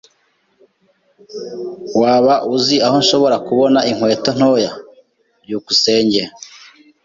Waba uzi aho nshobora kubona inkweto ntoya? byukusenge